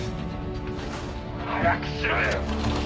「早くしろよ！」